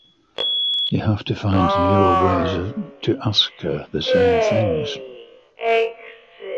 You have to find newer ways to ask her the same things.